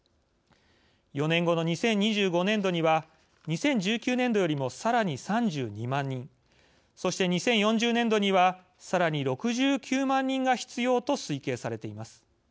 ４年後の２０２５年度には２０１９年度よりもさらに３２万人そして２０４０年度にはさらに６９万人が必要と推計されています。